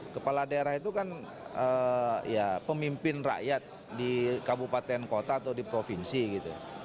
kepala daerah itu kan ya pemimpin rakyat di kabupaten kota atau di provinsi gitu